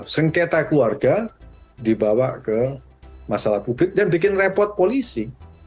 sengketa keluarga dibawa ke masalah publik dan bikin repot polisi